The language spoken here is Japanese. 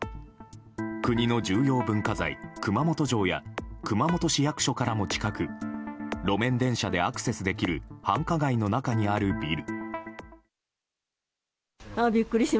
国の重要文化財・熊本城や熊本市役所からも近く路面電車でアクセスできる繁華街の中にあるビル。